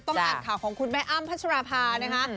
ต้องอัดข่าวของคุณแม่อั้มพัศรภานะคะ